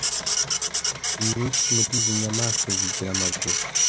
. Inyinshi muri izi nyamaswa zigira amaguru